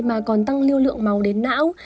mà còn tăng lưu lượng máu đến não